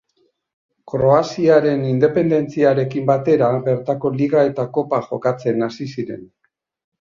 Kroaziaren independentziarekin batera bertako liga eta kopa jokatzen hasi ziren.